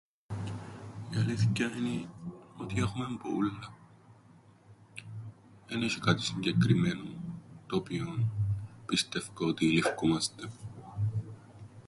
Η αλήθκεια ένι ότι έχουμεν που ούλλα. Εν έσ̆ει κάτι συγκεκριμμένον το οποίον πιστεύκω ότι λειφκούμαστεν.